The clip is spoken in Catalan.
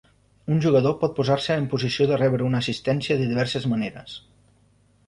Un jugador pot posar-se en posició de rebre una assistència de diverses maneres.